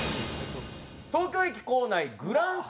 東京駅構内グランスタ